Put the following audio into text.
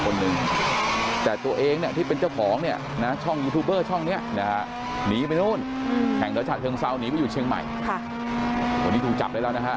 อยู่เชียงใหม่ค่ะวันนี้ถูกจับได้แล้วนะคะ